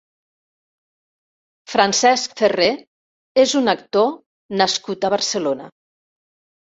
Francesc Ferrer és un actor nascut a Barcelona.